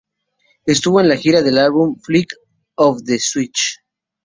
Estuvo en la gira del álbum 'Flick of the Switch'.